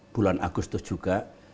bulan agustus juga